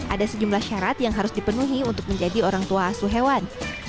ada sejumlah syarat yang harus dipenuhi untuk menjadi orang tua asuh hewan